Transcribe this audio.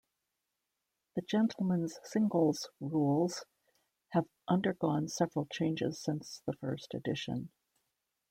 The Gentlemen's Singles' rules have undergone several changes since the first edition.